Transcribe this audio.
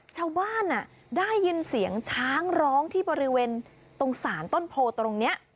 ชาวบ้านได้ยินเสียงช้างร้องที่บริเวณตรงศาลต้นโพตรงนี้